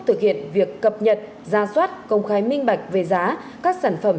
thực hiện việc cập nhật ra soát công khai minh bạch về giá các sản phẩm